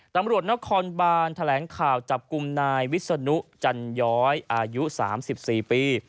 ตำรวจนครบานแถลงข่าวจับกลุ่มนายวิศนุจันย้อยอายุ๓๔ปี